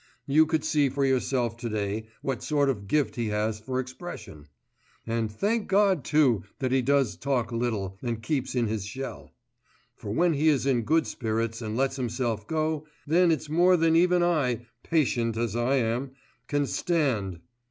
You could see for yourself to day what sort of gift he has for expression; and thank God, too, that he does talk little, and keeps in his shell. For when he is in good spirits, and lets himself go, then it's more than even I, patient as I am, can stand.